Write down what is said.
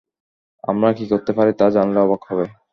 আমরা কী করতে পারি তা জানলে অবাক হবে।